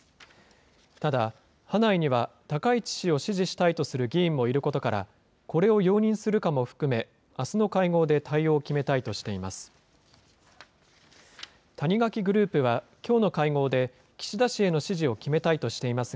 ただ、派内には高市氏を支持したいとする議員もいることから、これを容認するかも含め、あすの会合で対応を決めたいとしています。